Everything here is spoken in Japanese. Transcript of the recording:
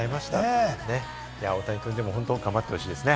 大谷君、本当頑張ってほしいですね。